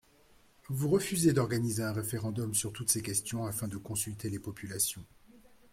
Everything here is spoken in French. Vous refusez d’organiser un référendum sur toutes ces questions afin de consulter les populations.